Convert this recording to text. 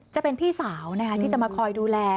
จะเป็นพี่สาวนะคะที่จะมาคอยดูแล